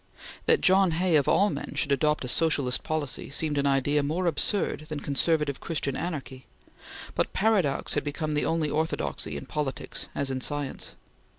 That John Hay, of all men, should adopt a socialist policy seemed an idea more absurd than conservative Christian anarchy, but paradox had become the only orthodoxy in politics as in science.